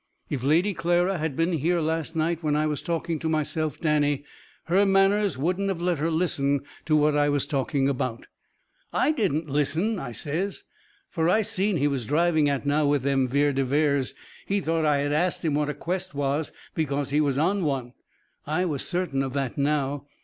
If Lady Clara had been here last night when I was talking to myself, Danny, her manners wouldn't have let her listen to what I was talking about." "I didn't listen!" I says. Fur I seen what he was driving at now with them Vere de Veres. He thought I had ast him what a quest was because he was on one. I was certain of that, now.